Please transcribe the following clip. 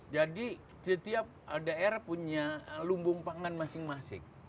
jadi setiap daerah punya lumbung pangan masing masing